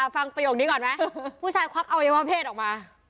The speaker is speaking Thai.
ประโยคนี้ก่อนไหมผู้ชายควักอวัยวะเพศออกมา